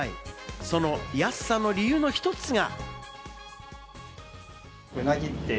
その安さの理由の一つが。